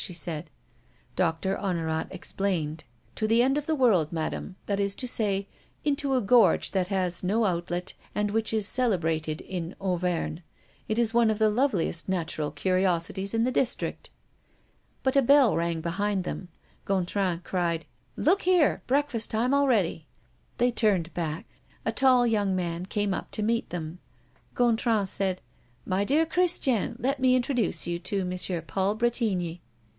she said. Doctor Honorat replied: "To the End of the World, Madame; that is to say, into a gorge that has no outlet and which is celebrated in Auvergne. It is one of the loveliest natural curiosities in the district." But a bell rang behind them. Gontran cried: "Look here! breakfast time already!" They turned back. A tall, young man came up to meet them. Gontran said: "My dear Christiane, let me introduce to you M. Paul Bretigny."